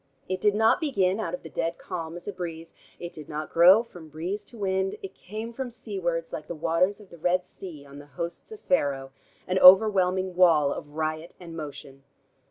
It did not begin, out of the dead calm, as a breeze; it did not grow from breeze to wind; it came from seawards, like the waters of the Red Sea on the hosts of Pharaoh, an overwhelming wall of riot and motion.